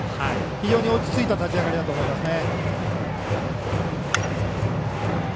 非常に落ち着いた立ち上がりだと思いますね。